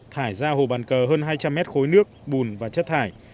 thải ra hồ bàn cờ hơn hai trăm linh mét khối nước bùn và chất thải